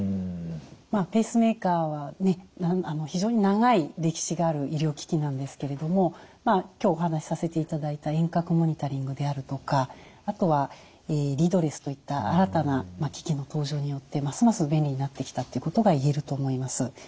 ペースメーカーは非常に長い歴史がある医療機器なんですけれども今日お話しさせていただいた遠隔モニタリングであるとかあとはリードレスといった新たな機器の登場によってますます便利になってきたってことがいえると思います。